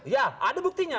ya ada buktinya